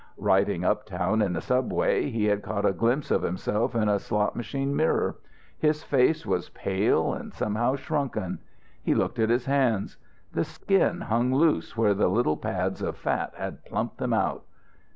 Riding uptown in the subway he had caught a glimpse of himself in a slot machine mirror. His face was pale and somehow shrunken. He looked at his hands. The skin hung loose where the little pads of fat had plumped them out.